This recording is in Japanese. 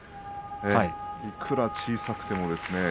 いくら小さくてもですね。